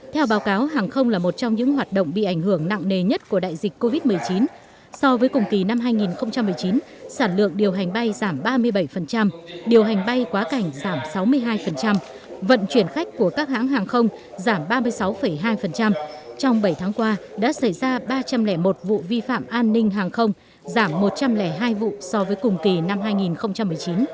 theo báo cáo hàng không là một trong những hoạt động bị ảnh hưởng nặng nề nhất của đại dịch covid một mươi chín so với cùng kỳ năm hai nghìn một mươi chín sản lượng điều hành bay giảm ba mươi bảy điều hành bay quá cảnh giảm sáu mươi hai vận chuyển khách của các hãng hàng không giảm ba mươi sáu hai trong bảy tháng qua đã xảy ra ba trăm linh một vụ vi phạm an ninh hàng không giảm một trăm linh hai vụ so với cùng kỳ năm hai nghìn một mươi chín